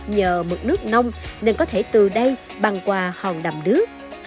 nhờ mực nước nông nên có thể từ đây băng qua hòn đầm đứa